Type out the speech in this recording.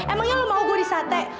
emangnya lo mau gue disate